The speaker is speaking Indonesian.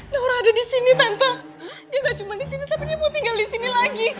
naura ada disini tante dia gak cuma disini tapi dia mau tinggal disini lagi